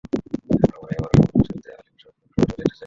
তবে আমরা এবারও সংগঠনের স্বার্থে আলী আশরাফ স্যারকে সভাপতি পদে দেখতে চাই।